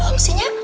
belum sih nya